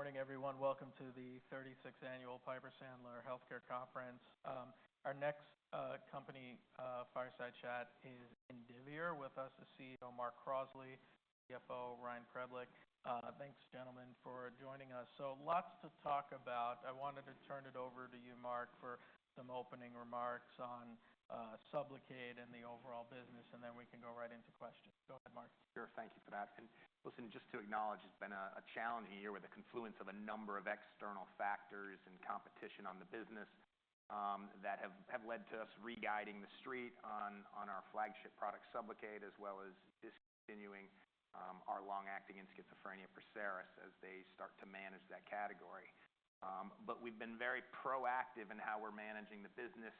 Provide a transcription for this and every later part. Great. Good morning, everyone. Welcome to the 36th Annual Piper Sandler Healthcare Conference. Our next company, Fireside Chat, is Indivior. With us, the CEO, Mark Crossley, CFO, Ryan Preblick. Thanks, gentlemen, for joining us. So, lots to talk about. I wanted to turn it over to you, Mark, for some opening remarks on SUBLOCADE and the overall business, and then we can go right into questions. Go ahead, Mark. Sure. Thank you for that. And listen, just to acknowledge, it's been a challenging year with a confluence of a number of external factors and competition on the business that have led to us re-guiding the Street on our flagship product, SUBLOCADE, as well as discontinuing our long-acting injectable for schizophrenia, Perseris, as we start to manage that category. But we've been very proactive in how we're managing the business,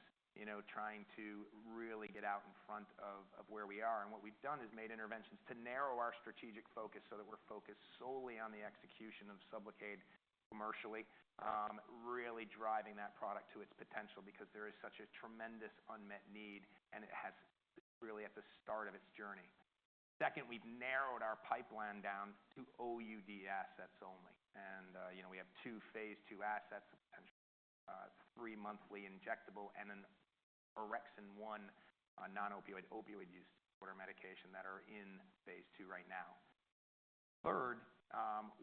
trying to really get out in front of where we are. And what we've done is made interventions to narrow our strategic focus so that we're focused solely on the execution of SUBLOCADE commercially, really driving that product to its potential because there is such a tremendous unmet need, and it's really at the start of its journey. Second, we've narrowed our pipeline down to OUD assets only. We have two phase II assets, a three-monthly injectable, and an Orexin-1 non-opioid opioid use disorder medication that are in phase II right now. Third,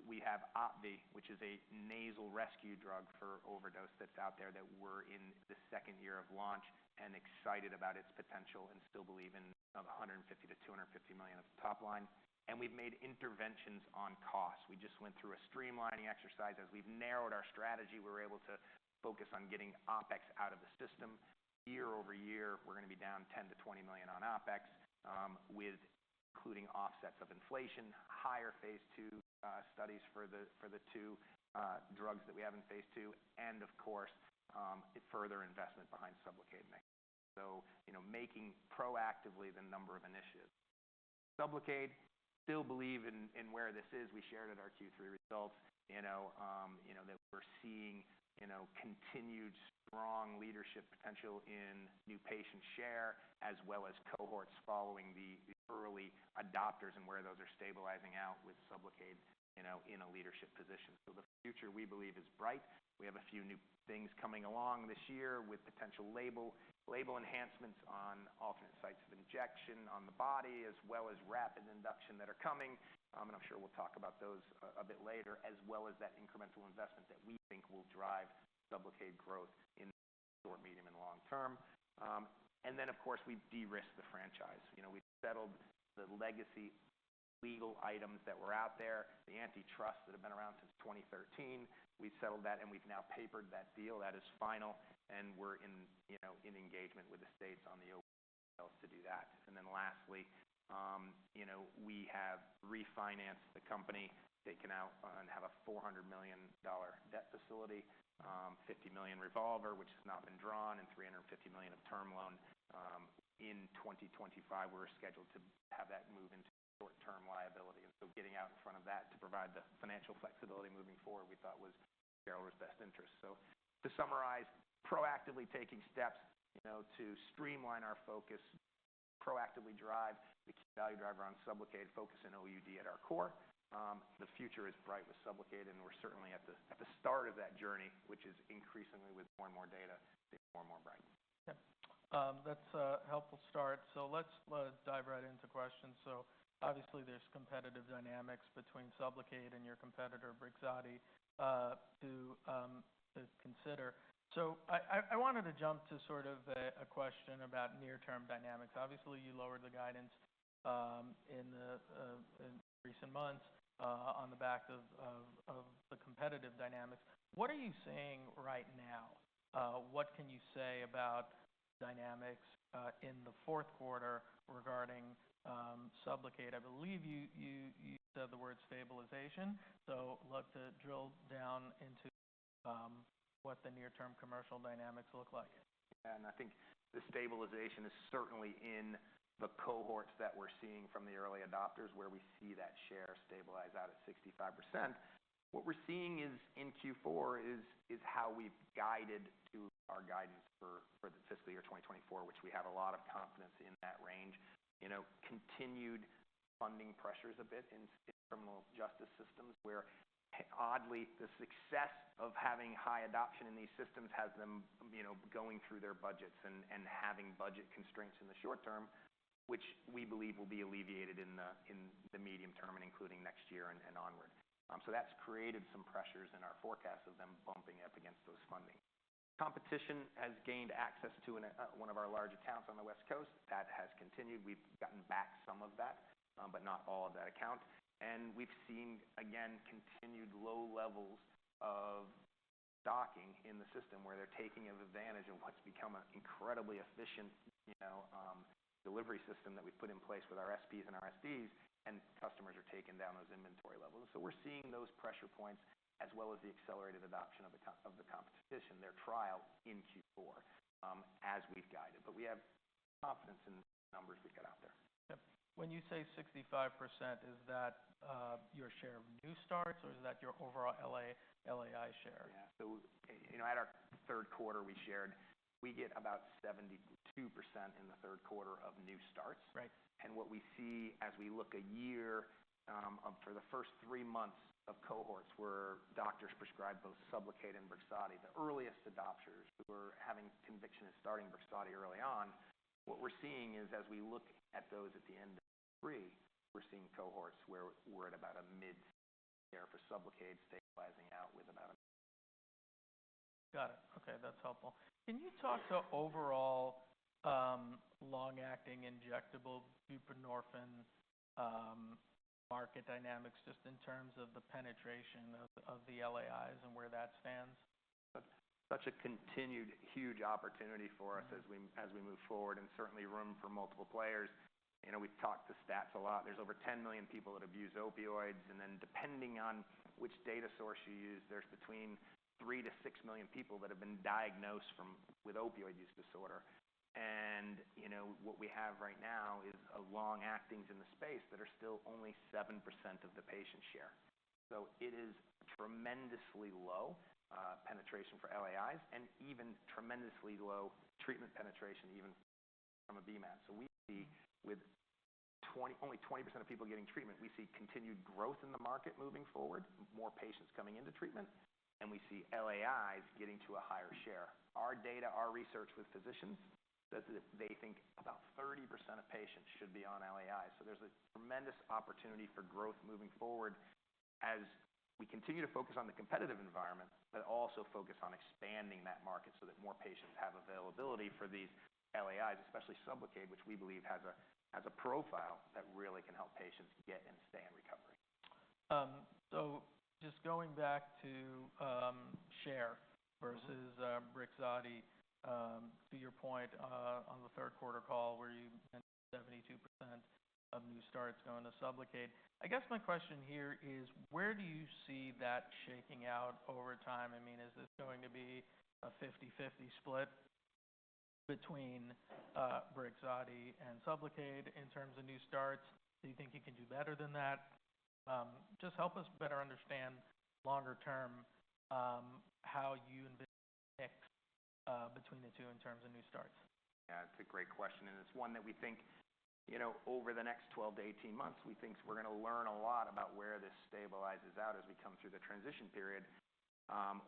we have Opvee, which is a nasal rescue drug for overdose that's out there that we're in the second year of launch and excited about its potential and still believe in $150 million-$250 million at the top line. We've made interventions on cost. We just went through a streamlining exercise. As we've narrowed our strategy, we're able to focus on getting OpEx out of the system. Year-over-year, we're going to be down $10 million-$20 million on OpEx, including offsets of inflation, higher phase II studies for the two drugs that we have in phase II, and of course, further investment behind SUBLOCADE and Opvee. So making proactively the number of initiatives. SUBLOCADE, still believe in where this is. We shared at our Q3 results that we're seeing continued strong leadership potential in new patient share as well as cohorts following the early adopters and where those are stabilizing out with SUBLOCADE in a leadership position, so the future we believe is bright. We have a few new things coming along this year with potential label enhancements on alternate sites of injection on the body, as well as rapid induction that are coming, and I'm sure we'll talk about those a bit later, as well as that incremental investment that we think will drive SUBLOCADE growth in the short, medium, and long term, and then, of course, we've de-risked the franchise. We've settled the legacy legal items that were out there, the antitrust that have been around since 2013. We've settled that, and we've now papered that deal. That is final, and we're in engagement with the states on the OUD to do that. And then lastly, we have refinanced the company, taken out and have a $400 million debt facility, $50 million revolver, which has not been drawn, and $350 million of term loan. In 2025, we were scheduled to have that move into short-term liability. And so getting out in front of that to provide the financial flexibility moving forward, we thought was shareholders' best interest. So to summarize, proactively taking steps to streamline our focus, proactively drive the key value driver on SUBLOCADE, focusing OUD at our core. The future is bright with SUBLOCADE, and we're certainly at the start of that journey, which is increasingly with more and more data, getting more and more bright. Yep. That's a helpful start. So let's dive right into questions. So obviously, there's competitive dynamics between SUBLOCADE and your competitor, Brixadi, to consider. So I wanted to jump to sort of a question about near-term dynamics. Obviously, you lowered the guidance in recent months on the back of the competitive dynamics. What are you seeing right now? What can you say about dynamics in the fourth quarter regarding SUBLOCADE? I believe you said the word stabilization. So I'd love to drill down into what the near-term commercial dynamics look like. Yeah, and I think the stabilization is certainly in the cohorts that we're seeing from the early adopters where we see that share stabilize out at 65%. What we're seeing in Q4 is how we've guided to our guidance for the fiscal year 2024, which we have a lot of confidence in that range. Continued funding pressures a bit in criminal justice systems where, oddly, the success of having high adoption in these systems has them going through their budgets and having budget constraints in the short term, which we believe will be alleviated in the medium term and including next year and onward. So that's created some pressures in our forecast of them bumping up against those funding. Competition has gained access to one of our large accounts on the West Coast. That has continued. We've gotten back some of that, but not all of that account. And we've seen, again, continued low levels of stocking in the system where they're taking advantage of what's become an incredibly efficient delivery system that we've put in place with our SPs and our SDs, and customers are taking down those inventory levels. So we're seeing those pressure points as well as the accelerated adoption of the competition, their trial in Q4 as we've guided. But we have confidence in the numbers we've got out there. Yep. When you say 65%, is that your share of new starts, or is that your overall LAI share? Yeah. So at our third quarter, we shared we get about 72% in the third quarter of new starts. And what we see as we look a year for the first three months of cohorts where doctors prescribed both SUBLOCADE and Brixadi, the earliest adopters who were having conviction of starting Brixadi early on, what we're seeing is as we look at those at the end of Q3, we're seeing cohorts where we're at about a mid-share for SUBLOCADE stabilizing out with about. Got it. Okay. That's helpful. Can you talk to overall long-acting injectable buprenorphine market dynamics just in terms of the penetration of the LAIs and where that stands? Such a continued huge opportunity for us as we move forward and certainly room for multiple players. We've talked about stats a lot. There's over 10 million people that abuse opioids. And then depending on which data source you use, there's between three to 6 million people that have been diagnosed with opioid use disorder. And what we have right now is long-actings in the space that are still only 7% of the patient share. So it is tremendously low penetration for LAIs and even tremendously low treatment penetration even from a B-MAT. So we see with only 20% of people getting treatment, we see continued growth in the market moving forward, more patients coming into treatment, and we see LAIs getting to a higher share. Our data, our research with physicians says that they think about 30% of patients should be on LAIs. So there's a tremendous opportunity for growth moving forward as we continue to focus on the competitive environment, but also focus on expanding that market so that more patients have availability for these LAIs, especially SUBLOCADE, which we believe has a profile that really can help patients get and stay in recovery. So just going back to share versus Brixadi, to your point on the third quarter call where you mentioned 72% of new starts going to SUBLOCADE, I guess my question here is, where do you see that shaking out over time? I mean, is this going to be a 50/50 split between Brixadi and SUBLOCADE in terms of new starts? Do you think you can do better than that? Just help us better understand longer term how you envision a mix between the two in terms of new starts. Yeah. It's a great question, and it's one that we think over the next 12, 18 months, we think we're going to learn a lot about where this stabilizes out as we come through the transition period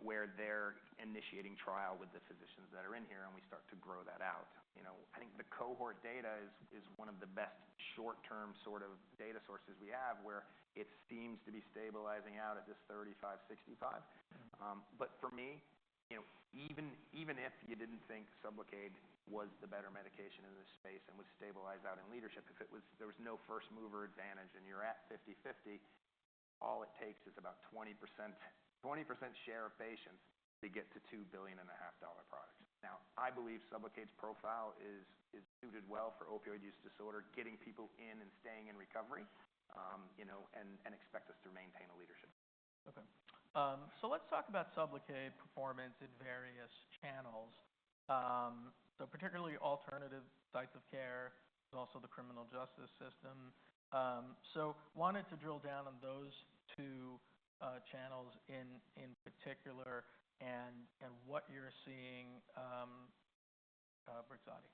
where they're initiating trial with the physicians that are in here, and we start to grow that out. I think the cohort data is one of the best short-term sort of data sources we have where it seems to be stabilizing out at this 35, 65, but for me, even if you didn't think SUBLOCADE was the better medication in this space and would stabilize out in leadership, if there was no first mover advantage and you're at 50/50, all it takes is about 20% share of patients to get to $2.5 billion products. Now, I believe SUBLOCADE's profile is suited well for opioid use disorder, getting people in and staying in recovery, and expect us to maintain a leadership. Okay. So let's talk about SUBLOCADE performance in various channels. So, particularly alternative types of care, also the criminal justice system. So wanted to drill down on those two channels in particular and what you're seeing Brixadi.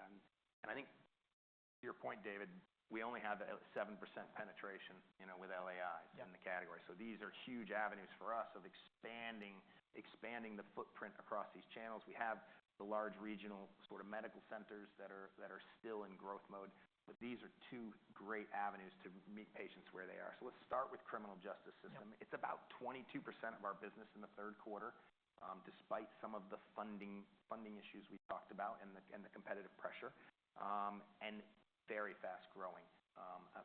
I think to your point, David, we only have a 7% penetration with LAIs in the category. These are huge avenues for us of expanding the footprint across these channels. We have the large regional sort of medical centers that are still in growth mode, but these are two great avenues to meet patients where they are. Let's start with the criminal justice system. It's about 22% of our business in the third quarter despite some of the funding issues we talked about and the competitive pressure. It is very fast growing,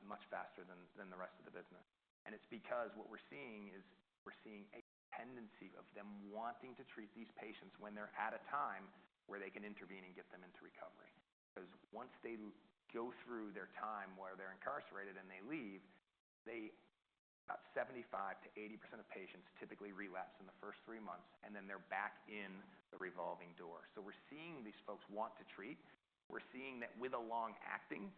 much faster than the rest of the business. It is because what we're seeing is we're seeing a tendency of them wanting to treat these patients when they're at a time where they can intervene and get them into recovery. Because once they go through their time where they're incarcerated and they leave, about 75%-80% of patients typically relapse in the first three months, and then they're back in the revolving door. So we're seeing these folks want to treat. We're seeing that with a long-acting,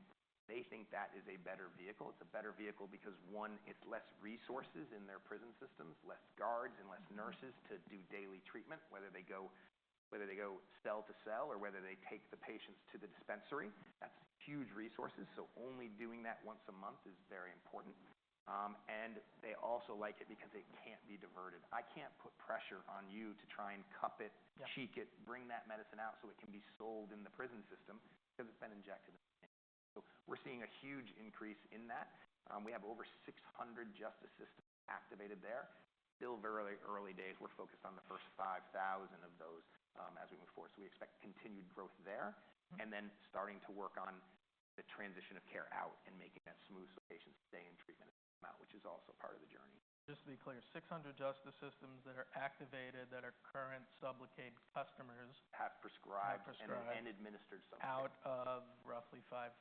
they think that is a better vehicle. It's a better vehicle because, one, it's less resources in their prison systems, less guards, and less nurses to do daily treatment, whether they go cell to cell or whether they take the patients to the dispensary. That's huge resources. So only doing that once a month is very important. And they also like it because it can't be diverted. I can't put pressure on you to try and cup it, cheek it, bring that medicine out so it can be sold in the prison system because it's been injected in. So we're seeing a huge increase in that. We have over 600 justice systems activated there. Still very early days. We're focused on the first 5,000 of those as we move forward. So we expect continued growth there and then starting to work on the transition of care out and making that smooth so patients stay in treatment and come out, which is also part of the journey. Just to be clear, 600 justice systems that are activated that are current SUBLOCADE customers. Have prescribed and administered SUBLOCADE. Out of roughly 5,000.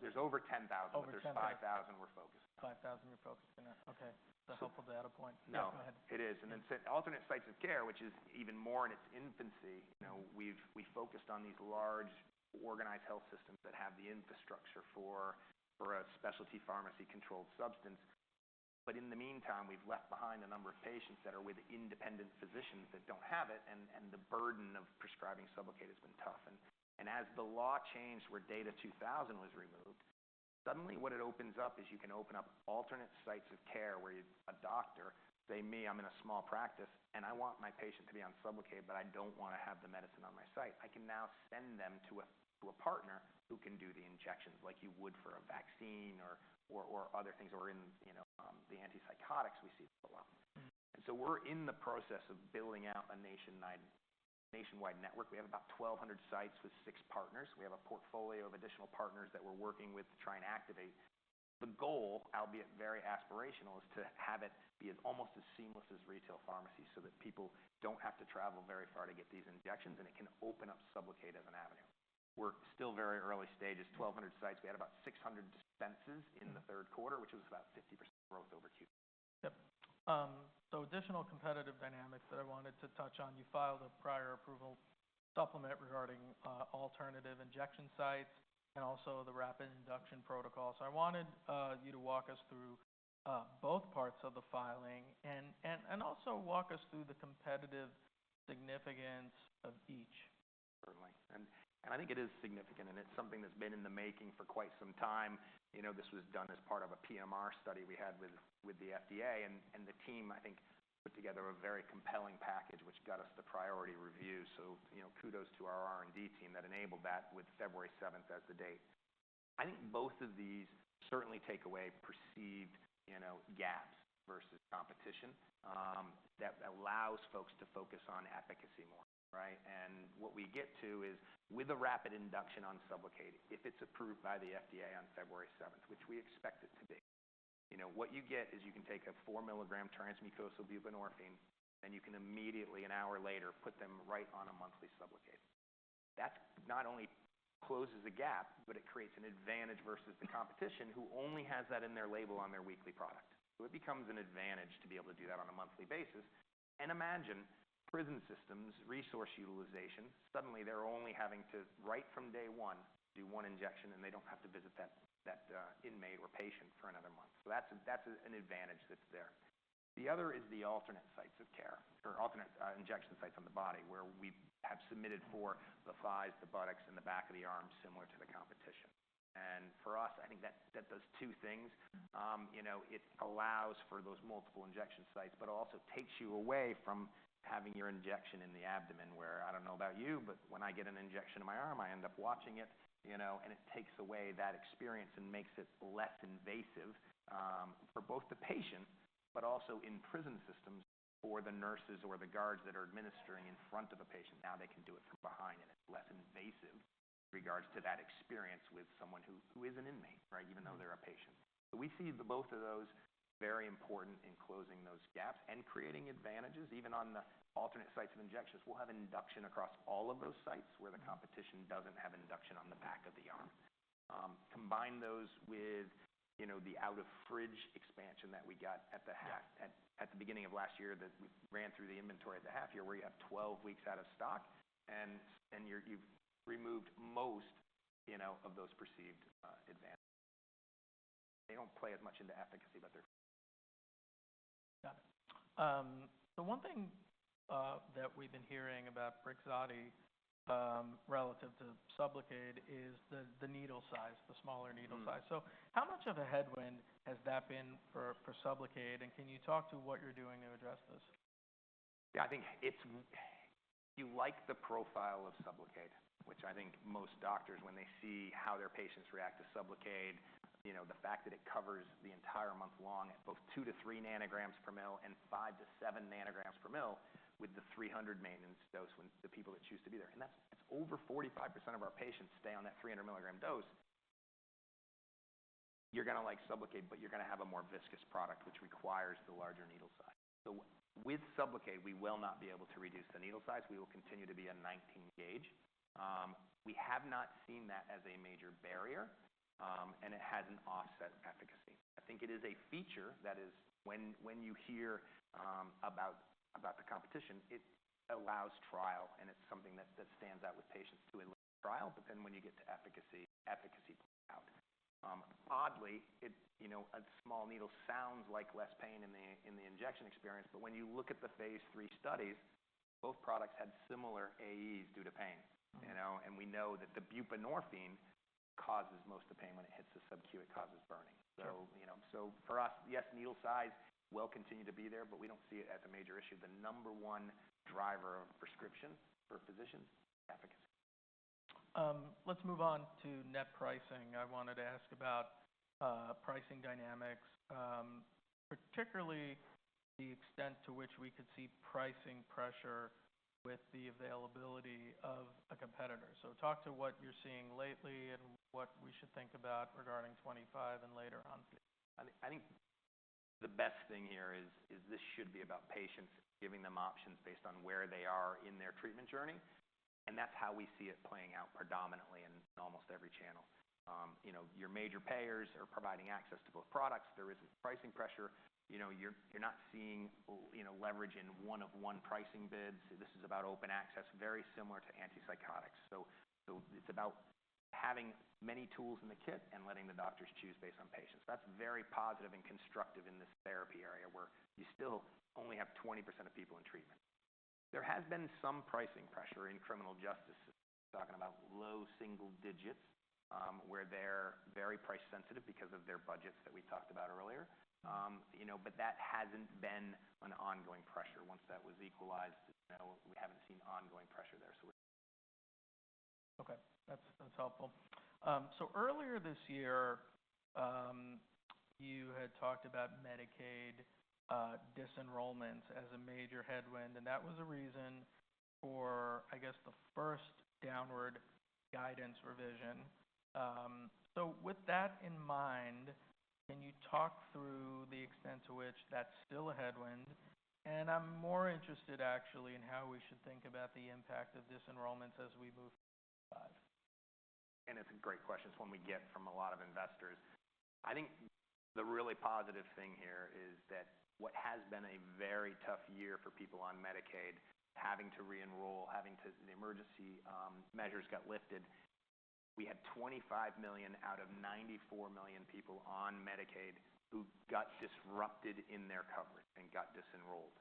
There's over 10,000. There's 5,000 we're focused on. 5,000 you're focused on. Okay. That's a helpful data point. Yeah. It is, and then alternate sites of care, which is even more in its infancy. We've focused on these large organized health systems that have the infrastructure for a specialty pharmacy controlled substance, but in the meantime, we've left behind a number of patients that are with independent physicians that don't have it, and the burden of prescribing SUBLOCADE has been tough, and as the law changed where DATA 2000 was removed, suddenly what it opens up is you can open up alternate sites of care where a doctor, say me, I'm in a small practice, and I want my patient to be on SUBLOCADE, but I don't want to have the medicine on my site. I can now send them to a partner who can do the injections like you would for a vaccine or other things or in the antipsychotics we see a lot. And so we're in the process of building out a nationwide network. We have about 1,200 sites with six partners. We have a portfolio of additional partners that we're working with to try and activate. The goal, albeit very aspirational, is to have it be almost as seamless as retail pharmacy so that people don't have to travel very far to get these injections, and it can open up SUBLOCADE as an avenue. We're still very early stages, 1,200 sites. We had about 600 dispenses in the third quarter, which was about 50% growth over Q2. Yep. So additional competitive dynamics that I wanted to touch on. You filed a prior approval supplement regarding alternative injection sites and also the rapid induction protocol. So I wanted you to walk us through both parts of the filing and also walk us through the competitive significance of each. Certainly. And I think it is significant, and it's something that's been in the making for quite some time. This was done as part of a PMR study we had with the FDA, and the team, I think, put together a very compelling package which got us the priority review. So kudos to our R&D team that enabled that with February 7th as the date. I think both of these certainly take away perceived gaps versus competition that allows folks to focus on efficacy more, right? And what we get to is with a rapid induction on SUBLOCADE, if it's approved by the FDA on February 7th, which we expect it to be, what you get is you can take a 4 mg transmucosal buprenorphine, and you can immediately, an hour later, put them right on a monthly SUBLOCADE. That not only closes the gap, but it creates an advantage versus the competition who only has that in their label on their weekly product. So it becomes an advantage to be able to do that on a monthly basis. And imagine prison systems, resource utilization, suddenly they're only having to, right from day one, do one injection, and they don't have to visit that inmate or patient for another month. So that's an advantage that's there. The other is the alternate sites of care or alternate injection sites on the body where we have submitted for the thighs, the buttocks, and the back of the arms similar to the competition. And for us, I think that does two things. It allows for those multiple injection sites, but it also takes you away from having your injection in the abdomen where, I don't know about you, but when I get an injection in my arm, I end up watching it, and it takes away that experience and makes it less invasive for both the patient, but also in prison systems for the nurses or the guards that are administering in front of a patient. Now they can do it from behind, and it's less invasive with regards to that experience with someone who is an inmate, right, even though they're a patient. So we see both of those very important in closing those gaps and creating advantages even on the alternate sites of injections. We'll have induction across all of those sites where the competition doesn't have induction on the back of the arm. Combine those with the out-of-fridge expansion that we got at the beginning of last year that we ran through the inventory at the half year where you have 12 weeks out of stock, and you've removed most of those perceived advantages. They don't play as much into efficacy, but they're important. Got it. So one thing that we've been hearing about Brixadi relative to SUBLOCADE is the needle size, the smaller needle size. So how much of a headwind has that been for SUBLOCADE, and can you talk to what you're doing to address this? Yeah. I think if you like the profile of SUBLOCADE, which I think most doctors, when they see how their patients react to SUBLOCADE, the fact that it covers the entire month long at both 2-3 nanograms per mL and 5-7 nanograms per mL with the 300 maintenance dose when the people that choose to be there, and that's over 45% of our patients stay on that 300 mg dose. You're going to like SUBLOCADE, but you're going to have a more viscous product, which requires the larger needle size. So with SUBLOCADE, we will not be able to reduce the needle size. We will continue to be a 19 gauge. We have not seen that as a major barrier, and it has an offset efficacy. I think it is a feature that is when you hear about the competition, it allows trial, and it's something that stands out with patients to enlist trial, but then when you get to efficacy, efficacy plays out. Oddly, a small needle sounds like less pain in the injection experience, but when you look at the phase III studies, both products had similar AEs due to pain. And we know that the buprenorphine causes most of the pain when it hits the subQ. It causes burning. So for us, yes, needle size will continue to be there, but we don't see it as a major issue. The number one driver of prescription for physicians is efficacy. Let's move on to net pricing. I wanted to ask about pricing dynamics, particularly the extent to which we could see pricing pressure with the availability of a competitor. So talk to what you're seeing lately and what we should think about regarding 2025 and later on. I think the best thing here is this should be about patients giving them options based on where they are in their treatment journey. And that's how we see it playing out predominantly in almost every channel. Your major payers are providing access to both products. There isn't pricing pressure. You're not seeing leverage in one-on-one pricing bids. This is about open access, very similar to antipsychotics. So it's about having many tools in the kit and letting the doctors choose based on patients. That's very positive and constructive in this therapy area where you still only have 20% of people in treatment. There has been some pricing pressure in criminal justice. We're talking about low single digits where they're very price sensitive because of their budgets that we talked about earlier. But that hasn't been an ongoing pressure. Once that was equalized, we haven't seen ongoing pressure there, so we're. Okay. That's helpful. So earlier this year, you had talked about Medicaid disenrollments as a major headwind, and that was a reason for, I guess, the first downward guidance revision. So with that in mind, can you talk through the extent to which that's still a headwind? And I'm more interested, actually, in how we should think about the impact of disenrollments as we move to 2025? It's a great question. It's one we get from a lot of investors. I think the really positive thing here is that what has been a very tough year for people on Medicaid having to re-enroll, having to the emergency measures got lifted. We had 25 million out of 94 million people on Medicaid who got disrupted in their coverage and got disenrolled.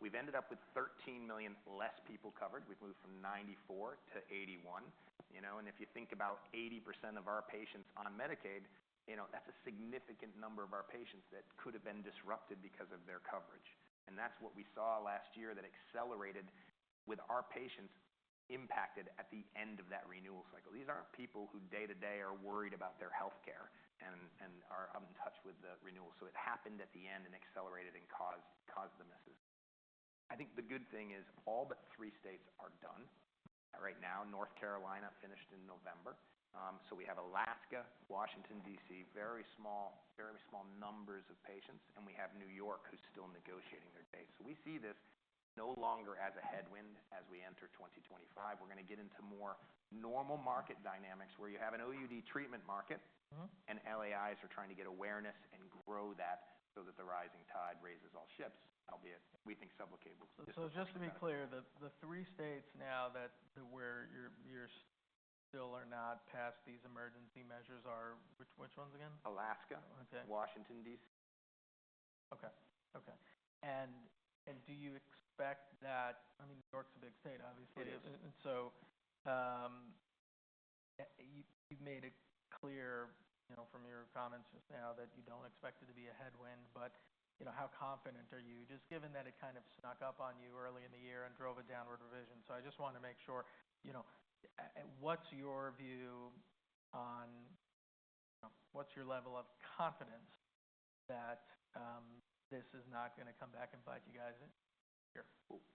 We've ended up with 13 million less people covered. We've moved from 94 million to 81 million. And if you think about 80% of our patients on Medicaid, that's a significant number of our patients that could have been disrupted because of their coverage. And that's what we saw last year that accelerated with our patients impacted at the end of that renewal cycle. These aren't people who day-to-day are worried about their healthcare and are out of touch with the renewal. So it happened at the end and accelerated and caused the messes. I think the good thing is all but three states are done right now. North Carolina finished in November. So we have Alaska, Washington, D.C., very small numbers of patients, and we have New York who's still negotiating their dates. So we see this no longer as a headwind as we enter 2025. We're going to get into more normal market dynamics where you have an OUD treatment market, and LAIs are trying to get awareness and grow that so that the rising tide raises all ships, albeit we think SUBLOCADE will. So just to be clear, the three states now that you're still are not past these emergency measures are which ones again? Alaska, Washington, D.C. Okay. Okay. And do you expect that? I mean, New York's a big state, obviously. It is. And so you've made it clear from your comments just now that you don't expect it to be a headwind, but how confident are you, just given that it kind of snuck up on you early in the year and drove a downward revision? So I just want to make sure. What's your view on what's your level of confidence that this is not going to come back and bite you guys here?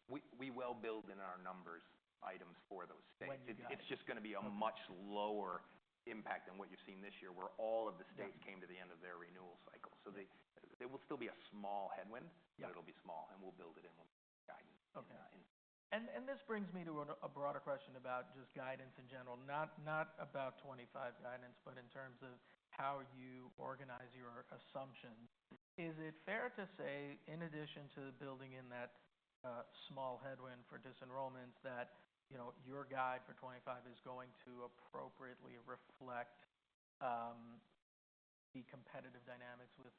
We will build in our numbers items for those states. It's just going to be a much lower impact than what you've seen this year where all of the states came to the end of their renewal cycle. So there will still be a small headwind, but it'll be small, and we'll build it in with guidance. Okay. And this brings me to a broader question about just guidance in general, not about 25 guidance, but in terms of how you organize your assumptions. Is it fair to say, in addition to building in that small headwind for disenrollments, that your guide for 25 is going to appropriately reflect the competitive dynamics with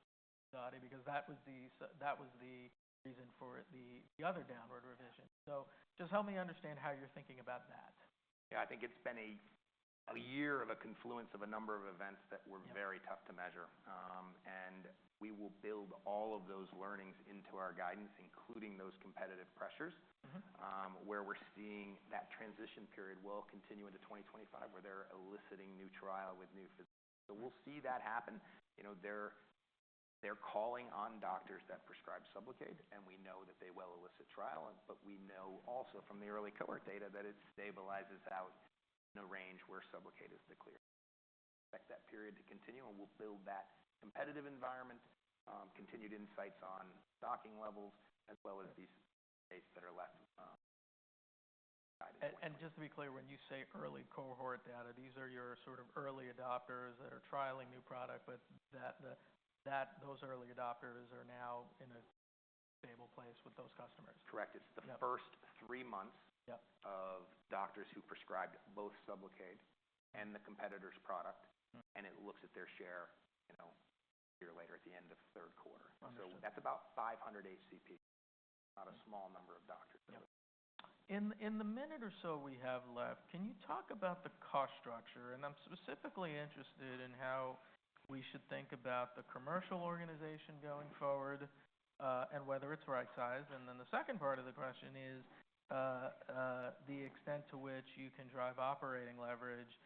SUBLOCADE because that was the reason for the other downward revision? So just help me understand how you're thinking about that. Yeah. I think it's been a year of a confluence of a number of events that were very tough to measure. And we will build all of those learnings into our guidance, including those competitive pressures where we're seeing that transition period will continue into 2025 where they're eliciting new trial with new physicians. So we'll see that happen. They're calling on doctors that prescribe SUBLOCADE, and we know that they will elicit trial, but we know also from the early cohort data that it stabilizes out in a range where SUBLOCADE is the clear. We expect that period to continue, and we'll build that competitive environment, continued insights on stocking levels, as well as these states that are less guided. Just to be clear, when you say early cohort data, these are your sort of early adopters that are trialing new product, but those early adopters are now in a stable place with those customers. Correct. It's the first three months of doctors who prescribed both SUBLOCADE and the competitor's product, and it looks at their share here later at the end of third quarter. So that's about 500 HCP. Not a small number of doctors. In the minute or so we have left, can you talk about the cost structure? And I'm specifically interested in how we should think about the commercial organization going forward and whether it's right-sized. And then the second part of the question is the extent to which you can drive operating leverage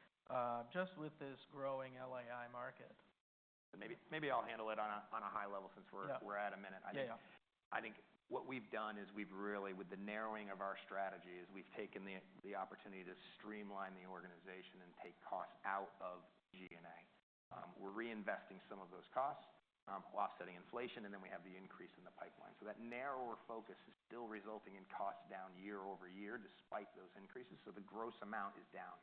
just with this growing LAI market. Maybe I'll handle it on a high level since we're at a minute. I think what we've done is we've really, with the narrowing of our strategies, we've taken the opportunity to streamline the organization and take costs out of G&A. We're reinvesting some of those costs, offsetting inflation, and then we have the increase in the pipeline. So that narrower focus is still resulting in costs down year-over-year despite those increases. So the gross amount is down.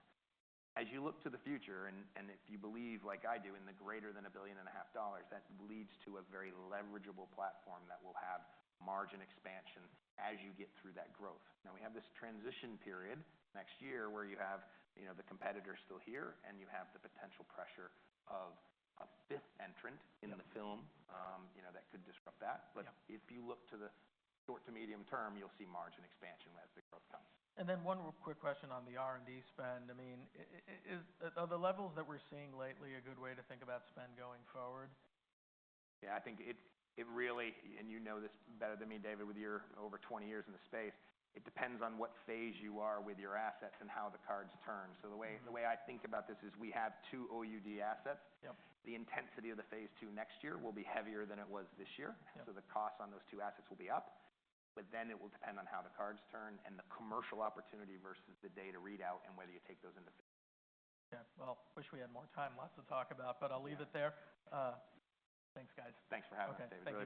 As you look to the future, and if you believe like I do in the greater than $1.5 billion, that leads to a very leverageable platform that will have margin expansion as you get through that growth. Now, we have this transition period next year where you have the competitor still here, and you have the potential pressure of a fifth entrant in the film that could disrupt that, but if you look to the short to medium term, you'll see margin expansion as the growth comes. And then one quick question on the R&D spend. I mean, are the levels that we're seeing lately a good way to think about spend going forward? Yeah. I think it really, and you know this better than me, David, with your over 20 years in the space, it depends on what phase you are with your assets and how the cards turn. So the way I think about this is we have two OUD assets. The intensity of the phase II next year will be heavier than it was this year. So the costs on those two assets will be up, but then it will depend on how the cards turn and the commercial opportunity versus the data readout and whether you take those into phase. Okay. Well, I wish we had more time, lots to talk about, but I'll leave it there. Thanks, guys. Thanks for having me, David.